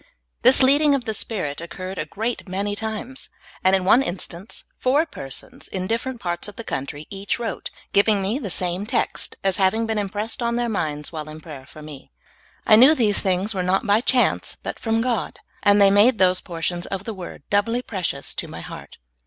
This leading of the Spirit occured a great many times ; and in one instance four persons, in different parts of the country, each wrote, giving me the same text, as having been impressed on their minds while in prayer for me. I knew these things were not by chance, but from God, and they made those portions of the w^ord doubly precious to my heart.